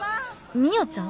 みよちゃん！